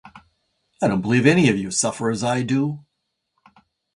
I don't believe any of you suffer as I do.